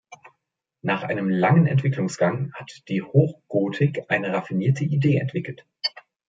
Nach einem langen Entwicklungsgang hat die Hochgotik eine raffinierte Idee entwickelt.